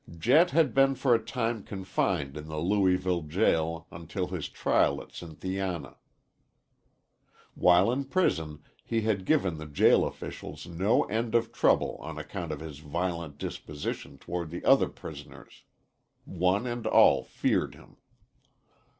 Jett had been for a time confined in the Louisville jail until his trial at Cynthiana. While in prison he had given the jail officials no end of trouble on account of his violent disposition toward the other prisoners. One and all feared him.